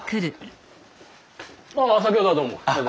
あ先ほどはどうも。